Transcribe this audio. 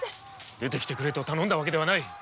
出てきてくれと頼んだわけではない。